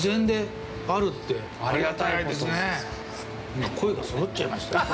今、声がそろっちゃいましたよ。